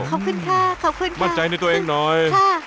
ขอบคุณค่ะขอบคุณค่ะมั่นใจในตัวเองหน่อย